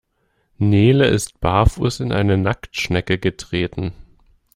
Nele ist barfuß in eine Nacktschnecke getreten.